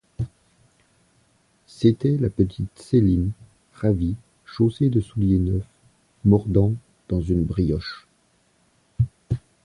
C'était la petite Céline, ravie, chaussée de souliers neufs, mordant dans une brioche.